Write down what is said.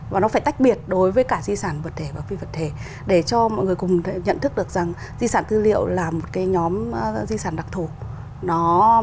và nó phải tách biệt đối với cả di sản vật thể và phi vật thể để cho mọi người cùng nhận thức được rằng di sản tư liệu là một cái nhóm di sản đặc thủ